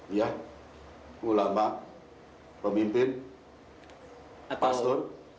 iya ulama pemimpin pastor